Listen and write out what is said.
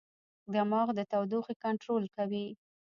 دماغ د تودوخې کنټرول کوي.